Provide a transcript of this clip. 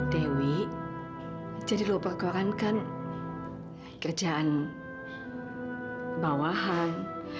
dewi jadi lupa koran kan kerjaan bawahan